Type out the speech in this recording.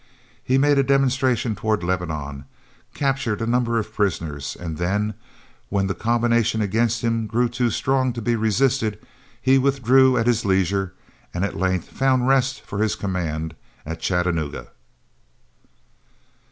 He made a demonstration toward Lebanon, captured a number of prisoners, and then, when the combination against him grew too strong to be resisted, he withdrew at his leisure and at length found rest for his command at Chattanooga.